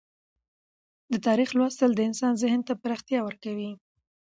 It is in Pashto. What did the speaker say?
د تاریخ لوستل د انسان ذهن ته پراختیا ورکوي.